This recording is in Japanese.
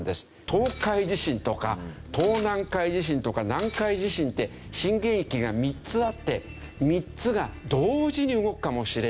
東海地震とか東南海地震とか南海地震って震源域が３つあって３つが同時に動くかもしれない。